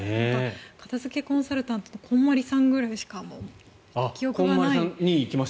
片付けコンサルタントのこんまりさんぐらいしか記憶がないです。